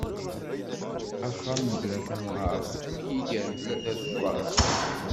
Axxam bla tamɣart am yiger bla tadekkart.